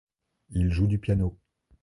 Il joue du piano.